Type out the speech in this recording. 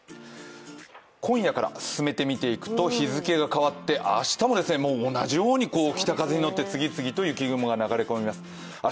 今夜から進めて見ていくと日付が変わって同じように北風に乗って次々と雪雲が流れ込みます。